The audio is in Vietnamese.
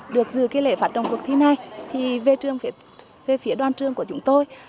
được dự cái lễ phát động cuộc thi này về phía đoàn trường của chúng tôi